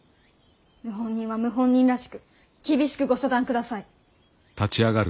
謀反人は謀反人らしく厳しくご処断ください。